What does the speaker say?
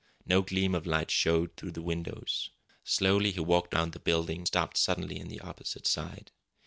No gleam of light showed through the windows. Slowly he walked around the building, and stopped suddenly on the opposite side.